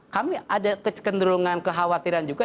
kami ada kecenderungan kekhawatiran juga